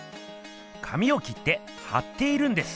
紙を切ってはっているんです。